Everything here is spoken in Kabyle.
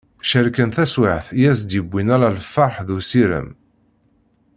Cerken taswiɛt i as-d-yewwin ala lferḥ d usirem.